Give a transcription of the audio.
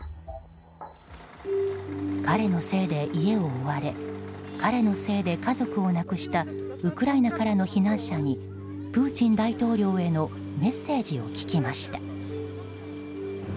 彼のせいで家を追われ彼のせいで家族を亡くしたウクライナからの避難者にプーチン大統領へのメッセージを聞きました。